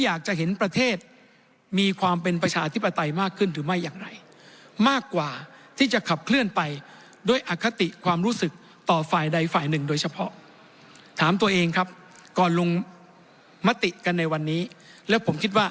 อยากจะเห็นประเทศมีความเป็นประชาอธิปรไตัยมากขึ้น